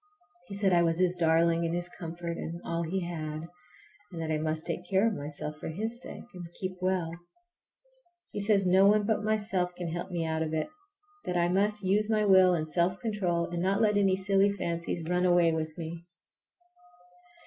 He said I was his darling and his comfort and all he had, and that I must take care of myself for his sake, and keep well. He says no one but myself can help me out of it, that I must use my will and self control and not let any silly fancies run away with me.